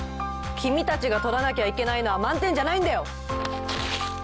君たちが取らなきゃいけないのは満点じゃないんだよ